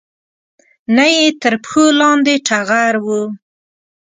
نه یې تر پښو لاندې ټغر و